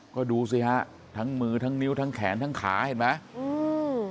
ก็ดูสิฮะทั้งมือทั้งนิ้วทั้งแขนทั้งขาเห็นไหมอืม